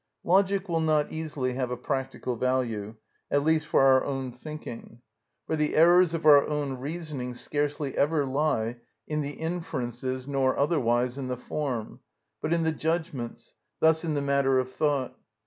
Logic will not easily have a practical value, at least for our own thinking. For the errors of our own reasoning scarcely ever lie in the inferences nor otherwise in the form, but in the judgments, thus in the matter of thought.